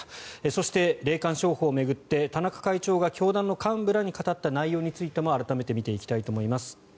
そして、霊感商法を巡って田中会長が教団の幹部らに語った内容についても改めて見ていきたいと思います。